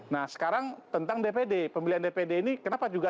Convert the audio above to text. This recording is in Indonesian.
nah sekarang tentang dpd pemilihan dpd ini kenapa juga